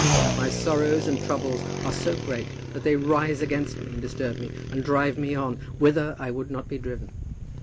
My sorrows and troubles are so great that they rise against me and disturb me, and drive me on, whither I would not be driven."